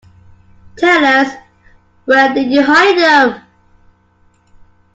Tell us — where did you hide them?